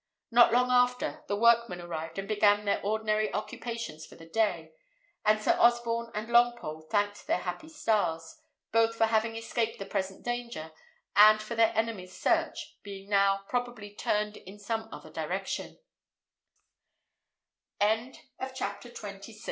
Not long after, the workmen arrived and began their ordinary occupations for the day; and Sir Osborne and Longpole thanked their happy stars, both for having escaped the present danger, and for their enemy's search being now probably turned in some other direction. CHAPTER XXVII. Norfolk.